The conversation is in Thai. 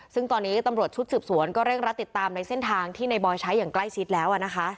ซึ่งตอนนี้ตำรวจชุดสืบสวนก็เร่งรัดติดตามในเส้นทางที่ในบอยใช้อย่างใกล้ชิดแล้วนะคะ